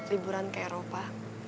liburan ke eropa